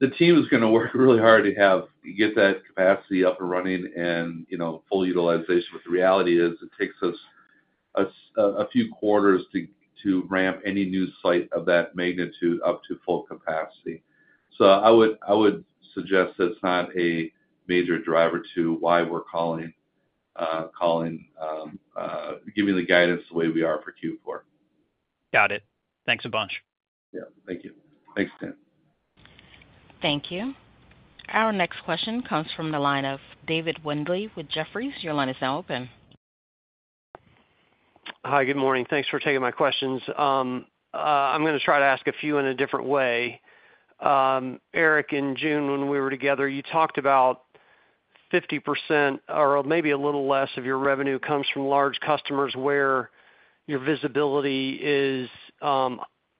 the team is gonna work really hard to get that capacity up and running and, you know, full utilization. But the reality is, it takes us a few quarters to ramp any new site of that magnitude up to full capacity. So I would suggest that it's not a major driver to why we're giving the guidance the way we are for Q4. Got it. Thanks a bunch. Yeah. Thank you. Thanks, Dan. Thank you. Our next question comes from the line of David Windley with Jefferies. Your line is now open. Hi, good morning. Thanks for taking my questions. I'm gonna try to ask a few in a different way. Eric, in June, when we were together, you talked about 50% or maybe a little less of your revenue comes from large customers where your visibility is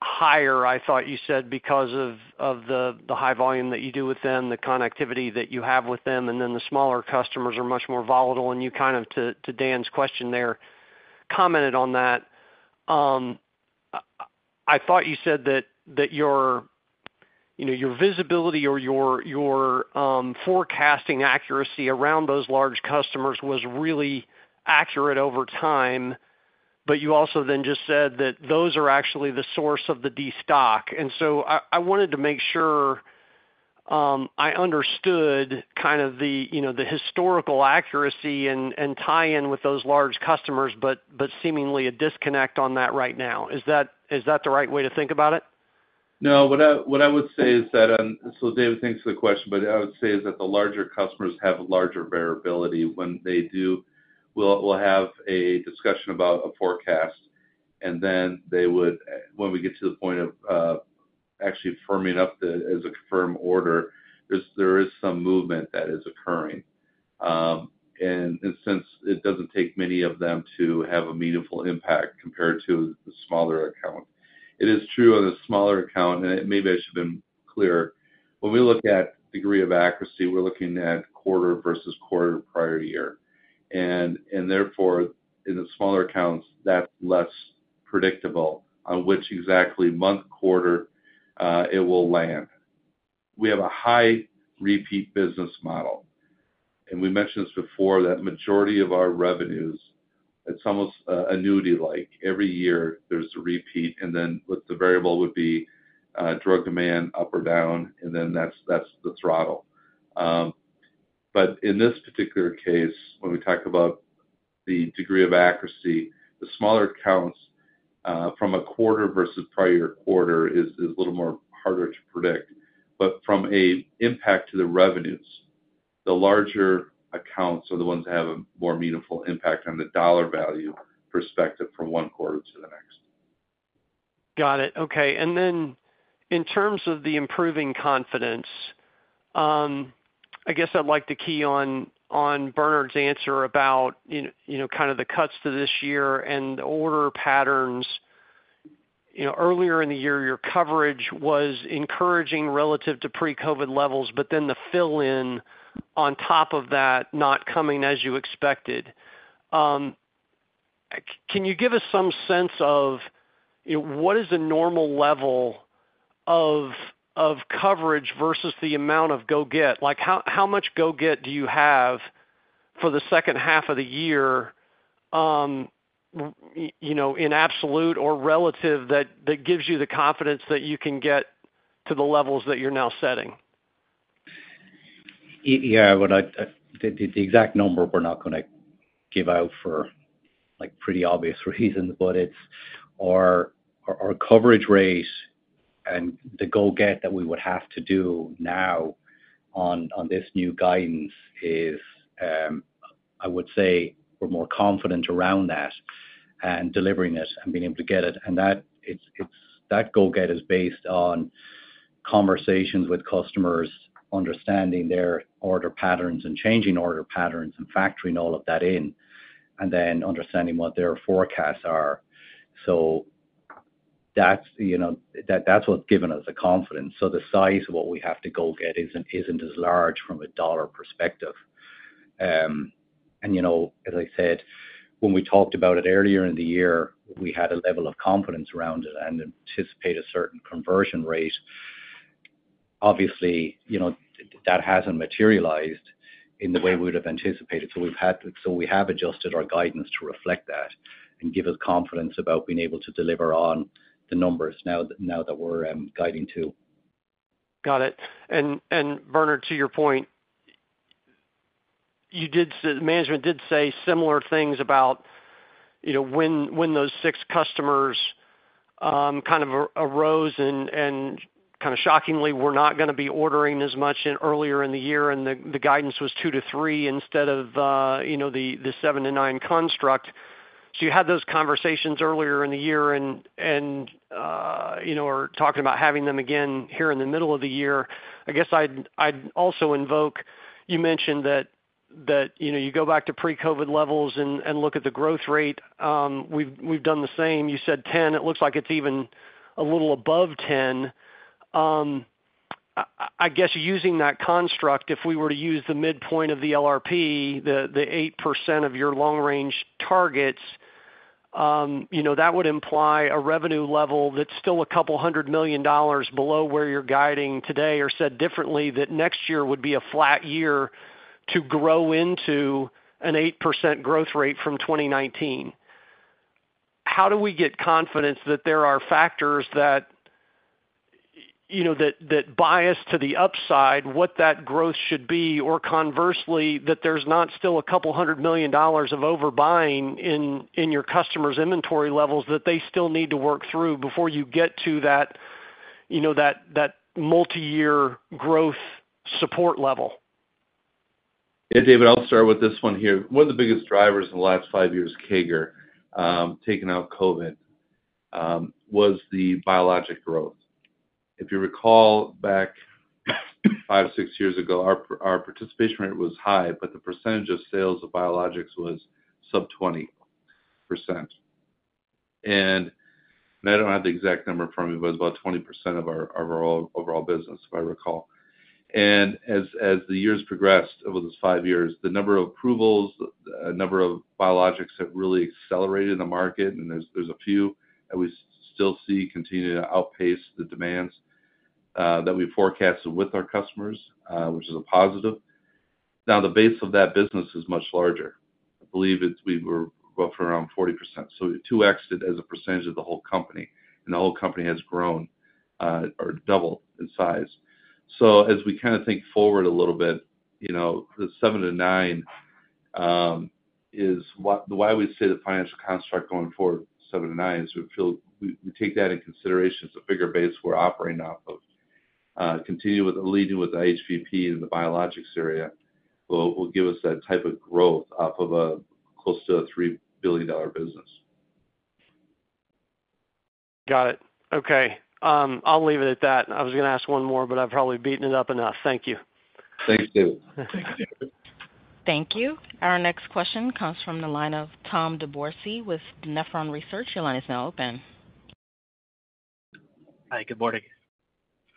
higher, I thought you said, because of the high volume that you do with them, the connectivity that you have with them, and then the smaller customers are much more volatile. And you kind of to Dan's question there, commented on that. I thought you said that your you know your visibility or your forecasting accuracy around those large customers was really accurate over time, but you also then just said that those are actually the source of the destock. And so I wanted to make sure I understood kind of the, you know, the historical accuracy and tie in with those large customers, but seemingly a disconnect on that right now. Is that the right way to think about it? No, what I would say is that, So David, thanks for the question. But I would say is that the larger customers have larger variability. When they do, we'll have a discussion about a forecast, and then they would, when we get to the point of, actually firming up the, as a firm order, there's, there is some movement that is occurring. And since it doesn't take many of them to have a meaningful impact compared to the smaller account. It is true on a smaller account, and maybe I should have been clearer. When we look at degree of accuracy, we're looking at quarter versus quarter prior year. And therefore, in the smaller accounts, that's less predictable on which exactly month, quarter, it will land. We have a high repeat business model, and we mentioned this before, that majority of our revenues, it's almost, annuity-like. Every year there's a repeat, and then what the variable would be, drug demand up or down, and then that's, that's the throttle. But in this particular case, when we talk about the degree of accuracy, the smaller accounts, from a quarter versus prior quarter is, is a little more harder to predict. But from a impact to the revenues, the larger accounts are the ones that have a more meaningful impact on the dollar value perspective from one quarter to the next. Got it. Okay. And then in terms of the improving confidence, I guess I'd like to key on Bernard's answer about, you know, kind of the cuts to this year and the order patterns. You know, earlier in the year, your coverage was encouraging relative to pre-COVID levels, but then the fill-in on top of that not coming as you expected. Can you give us some sense of, you know, what is the normal level of coverage versus the amount of go-get? Like, how much go-get do you have for the second half of the year, you know, in absolute or relative, that gives you the confidence that you can get to the levels that you're now setting? Yeah, what the exact number we're not gonna give out for, like, pretty obvious reasons, but it's our coverage rate and the go-get that we would have to do now on this new guidance is, I would say we're more confident around that and delivering it and being able to get it. And that it's. That go-get is based on conversations with customers, understanding their order patterns and changing order patterns and factoring all of that in, and then understanding what their forecasts are. So that's, you know, that's what's given us the confidence. So the size of what we have to go get isn't as large from a dollar perspective. And you know, as I said, when we talked about it earlier in the year, we had a level of confidence around it and anticipate a certain conversion rate. Obviously, you know, that hasn't materialized in the way we would have anticipated, so we've had to, so we have adjusted our guidance to reflect that and give us confidence about being able to deliver on the numbers now that, now that we're guiding to. Got it. And Bernard, to your point, you did management did say similar things about, you know, when those six customers kind of arose and kind of shockingly were not gonna be ordering as much earlier in the year, and the guidance was 2-3 instead of, you know, the 7-9 construct. So you had those conversations earlier in the year and, you know, are talking about having them again here in the middle of the year. I guess I'd also invoke, you mentioned that, you know, you go back to pre-COVID levels and look at the growth rate. We've done the same. You said 10, it looks like it's even a little above 10. I guess using that construct, if we were to use the midpoint of the LRP, the 8% of your long-range targets, you know, that would imply a revenue level that's still $200 million below where you're guiding today, or said differently, that next year would be a flat year to grow into an 8% growth rate from 2019. How do we get confidence that there are factors that, you know, that bias to the upside, what that growth should be, or conversely, that there's not still $200 million of overbuying in your customers' inventory levels that they still need to work through before you get to that, you know, that multi-year growth support level? Yeah, David, I'll start with this one here. One of the biggest drivers in the last five years, CAGR, taking out COVID, was the biologic growth. If you recall back five or six years ago, our participation rate was high, but the percentage of sales of biologics was sub 20%. And I don't have the exact number in front of me. It was about 20% of our overall business, if I recall. And as the years progressed over those five years, the number of approvals, the number of biologics have really accelerated in the market, and there's a few that we still see continuing to outpace the demands that we forecast with our customers, which is a positive. Now, the base of that business is much larger. I believe it's we were roughly around 40%, so we 2x'd it as a percentage of the whole company, and the whole company has grown or doubled in size. So as we kinda think forward a little bit, you know, the 7-9 is what—why we say the financial construct going forward, 7-9, is we feel we take that into consideration as a bigger base we're operating off of. Continue with the leading with HVP in the biologics area will give us that type of growth off of a close to a $3 billion business. Got it. Okay, I'll leave it at that. I was gonna ask one more, but I've probably beaten it up enough. Thank you. Thanks, David. Thank you. Our next question comes from the line of Tom DeBourcy with Nephron Research. Your line is now open. Hi, good morning.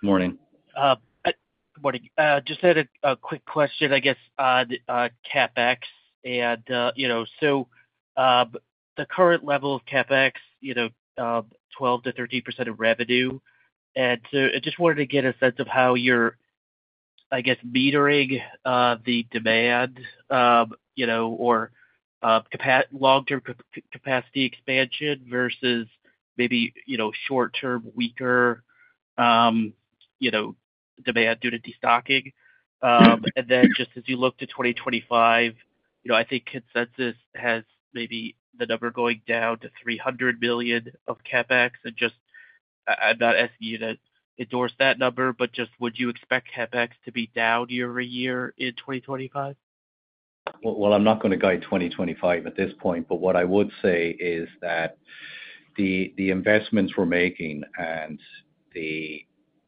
Morning. Good morning. Just had a quick question, I guess, on CapEx. And you know, so the current level of CapEx, you know, 12%-13% of revenue. And so I just wanted to get a sense of how you're, I guess, metering the demand, you know, or long-term capacity expansion versus maybe, you know, short-term, weaker demand due to destocking. And then just as you look to 2025, you know, I think consensus has maybe the number going down to $300 million of CapEx. And just, I'm not asking you to endorse that number, but just would you expect CapEx to be down year-over-year in 2025? Well, I'm not gonna guide 2025 at this point, but what I would say is that the investments we're making and the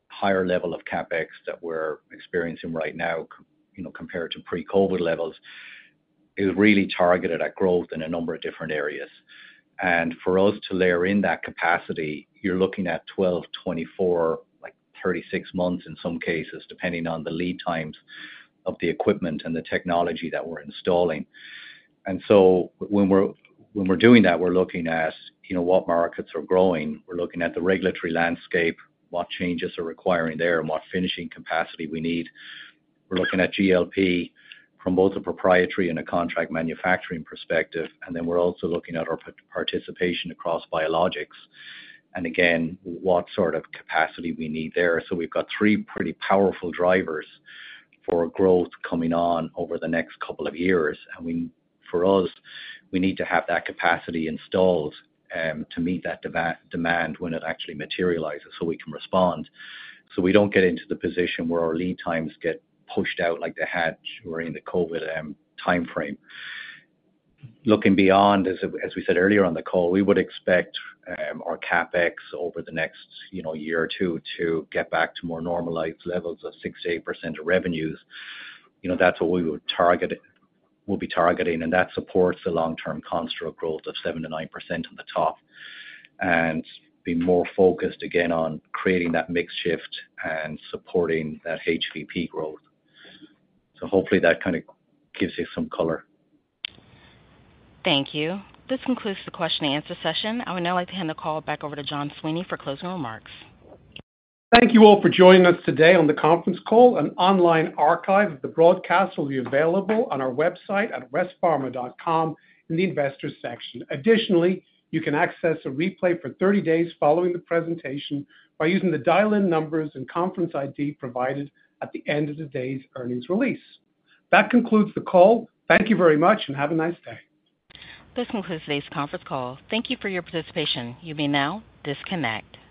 higher level of CapEx that we're experiencing right now, you know, compared to pre-COVID levels, is really targeted at growth in a number of different areas. For us to layer in that capacity, you're looking at 12, 24, like, 36 months in some cases, depending on the lead times of the equipment and the technology that we're installing. When we're doing that, we're looking at, you know, what markets are growing. We're looking at the regulatory landscape, what changes are requiring there, and what finishing capacity we need. We're looking at GLP from both a proprietary and a contract manufacturing perspective, and then we're also looking at our participation across biologics, and again, what sort of capacity we need there. So we've got three pretty powerful drivers for growth coming on over the next couple of years, and for us, we need to have that capacity installed to meet that demand when it actually materializes, so we can respond. So we don't get into the position where our lead times get pushed out like they had during the COVID timeframe. Looking beyond, as we said earlier on the call, we would expect our CapEx over the next year or two to get back to more normalized levels of 6%-8% of revenues. You know, that's what we would target, we'll be targeting, and that supports the long-term construct growth of 7%-9% on the top. And be more focused again on creating that mix shift and supporting that HVP growth. So hopefully that kind of gives you some color. Thank you. This concludes the question and answer session. I would now like to hand the call back over to John Sweeney for closing remarks. Thank you all for joining us today on the conference call. An online archive of the broadcast will be available on our website at westpharma.com in the Investors section. Additionally, you can access a replay for 30 days following the presentation by using the dial-in numbers and conference ID provided at the end of today's earnings release. That concludes the call. Thank you very much, and have a nice day. This concludes today's conference call. Thank you for your participation. You may now disconnect.